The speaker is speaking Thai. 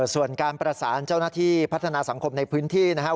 ส่วนการประสานเจ้าหน้าที่พัฒนาสังคมในพื้นที่นะครับ